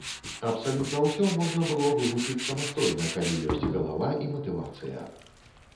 Абсалютна ўсё можна было вывучыць самастойна, калі ёсць галава і матывацыя.